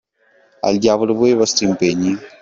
Al diavolo voi e i vostri impegni!